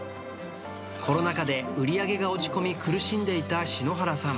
コロナ禍で売り上げが落ち込み苦しんでいた篠原さん。